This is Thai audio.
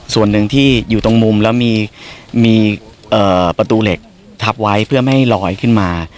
ส่วนหนึ่งที่อยู่ตรงมุมแล้วมีประตูเหล็กทับไว้เพื่อไม่ให้ลอยขึ้นมา